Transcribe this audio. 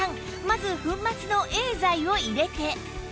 まず粉末の Ａ 剤を入れて